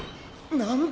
何だ？